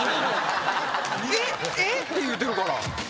「えっ？えっ？」って言うてるから。